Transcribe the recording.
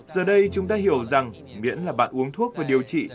giờ đây chúng ta hiểu rằng miễn là bạn uống thuốc và điều trị